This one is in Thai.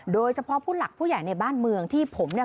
โดยเฉพาะผู้หลักผู้ใหญ่ในบ้านเมืองที่ผมเนี่ย